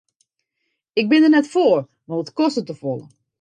Ik bin der net foar want it kostet te folle.